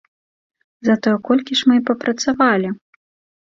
Затое колькі ж мы і папрацавалі!